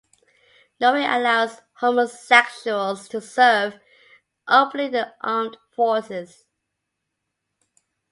Norway allows homosexuals to serve openly in the armed forces.